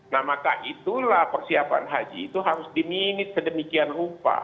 nah maka itulah persiapan haji itu harus diminit sedemikian rupa